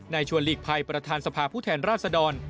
ชวนหลีกภัยประธานสภาผู้แทนราชดร